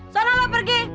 so kenapa lo pergi